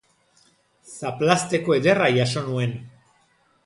Zaplazteko ederra jaso nuen!